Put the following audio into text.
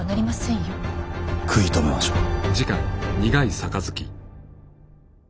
食い止めましょう。